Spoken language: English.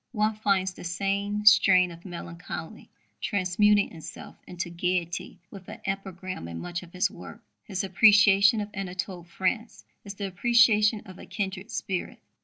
One finds the same strain of melancholy transmuting itself into gaiety with an epigram in much of his work. His appreciation of Anatole France is the appreciation of a kindred spirit.